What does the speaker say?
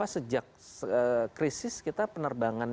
sejak krisis kita penerbangan